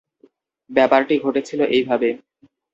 ব্যাপারটি ঘটেছিল এইভাবে।